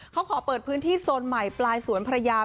เขาขอเปิดพื้นที่โซนใหม่ปลายสวนพระยา